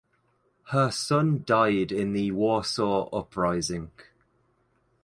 Her son died in the Warsaw Uprising.